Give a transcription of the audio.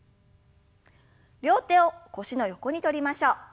両手を腰の横にとりましょう。